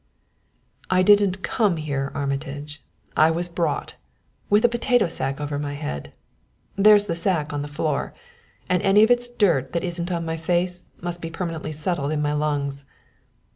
"I didn't come here, Armitage; I was brought with a potato sack over my head. There's the sack on the floor, and any of its dirt that isn't on my face must be permanently settled in my lungs."